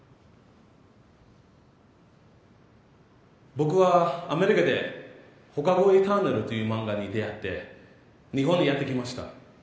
僕はアメリカで『放課後エターナル』という漫画に出会って日本にやって来ました。